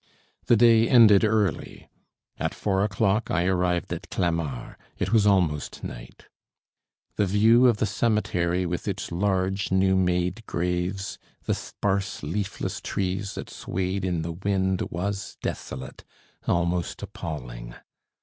The day ended early. At four o'clock I arrived at Clamart; it was almost night. The view of the cemetery, with its large, new made graves; the sparse, leafless trees that swayed in the wind, was desolate, almost appalling.